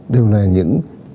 đều là những